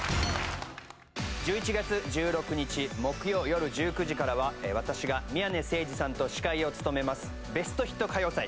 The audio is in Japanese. １１月１６日木曜よる１９時からは私が宮根誠司さんと司会を務めます『ベストヒット歌謡祭』。